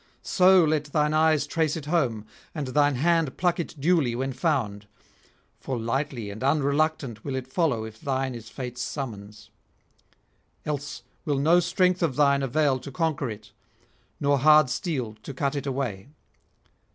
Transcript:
So let thine eyes trace it home, and thine hand pluck it duly when found; for lightly and unreluctant will it follow if thine is fate's summons; else will no strength of thine avail to conquer it nor hard steel to cut it away.